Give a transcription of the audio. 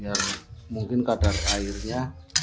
pasir yang baru yang lama sudah diganti gitu ya